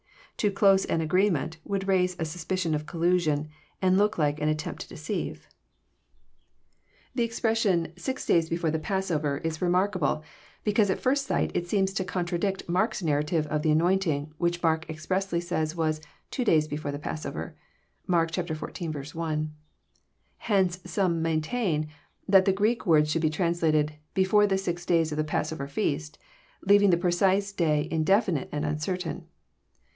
Too close an agree ment would raise a suspicion of collusion, and look like an at tempt to deceive. The expression, six days before the passover," is remarkable. JOHN, CHAP. xn. 311 because at first sight it seems to contradict Mark's narrative of the anointing, which Mark expressly says was *' two days before the passover." (Mark xiv. 1.) Hence some maintain that the Greek words should be translated, Before the six days of the passover feast," leaving the precise day indefinite and uncertain.